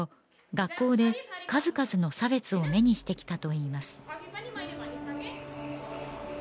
学校で数々の差別を目にしてきたといいます